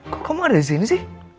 kok kamu ada disini sih